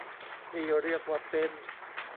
นี่เรียกว่าเป็น